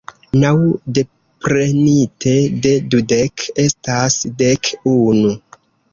Naŭ deprenite de dudek estas dek unu.